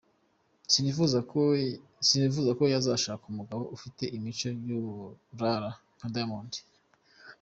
Sinifuza ko yazashaka umugabo ufite imico y’uburara nka Diamond”.